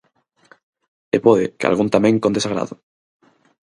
E pode que algún tamén con desagrado.